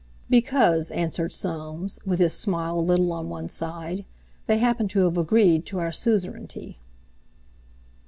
"Because," answered Soames, with his smile a little on one side, "they happen to have agreed to our suzerainty."